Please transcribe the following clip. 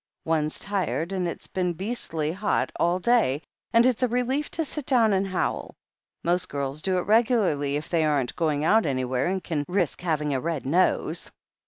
One's tired, and it's been beastly hot all day, and it's a relief to sit down and howl. Most girls do it regularly if they aren't going out anywhere, and can risk having a red nose.